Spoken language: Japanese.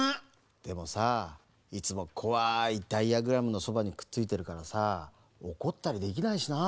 でもさいつもこわいダイヤグラムのそばにくっついてるからさおこったりできないしな。